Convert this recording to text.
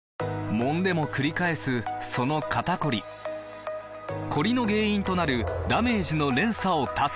もんでもくり返すその肩こりコリの原因となるダメージの連鎖を断つ！